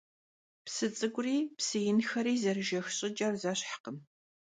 Psı ts'ık'uri psı yinxeri zerêjjex ş'ıç'er zeşhkhım.